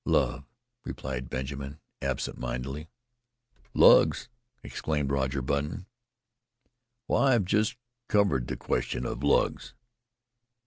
"Love," replied Benjamin absent mindedly. "Lugs?" exclaimed Roger Button, "Why, I've just covered the question of lugs."